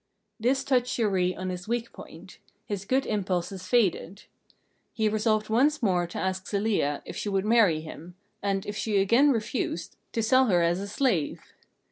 This touched Chéri on his weak point his good impulses faded. He resolved once more to ask Zelia if she would marry him, and, if she again refused, to sell her as a slave.